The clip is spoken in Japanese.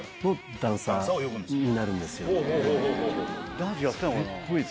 ダンスやってたのかな？